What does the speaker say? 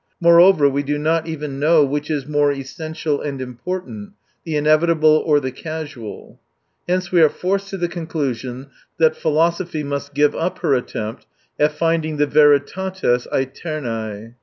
Moreover, we do not even know which is more essential and important, the inevitable or the casual. Hence we are forced to the conclusion that philosophy must give up her attempt at fiadifig the veritates aeurnae.